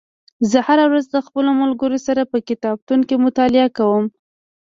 زه هره ورځ د خپلو ملګرو سره په کتابتون کې مطالعه کوم